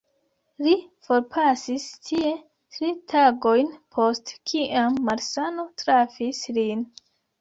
Li forpasis tie, tri tagojn post kiam malsano trafis lin.